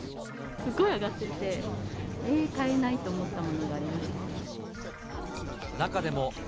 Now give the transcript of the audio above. すごい上がってて、ええっ、買えないと思ったものがありました。